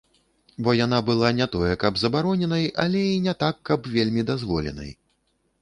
Бо яна была не тое каб забароненай, але і не так каб вельмі дазволенай.